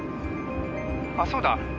「あそうだ。